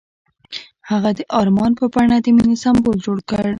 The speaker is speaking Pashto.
هغه د آرمان په بڼه د مینې سمبول جوړ کړ.